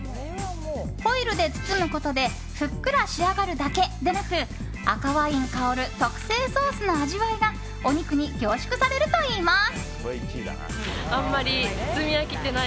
ホイルで包むことでふっくら仕上がるだけでなく赤ワイン香る特製ソースの味わいがお肉に凝縮されるといいます。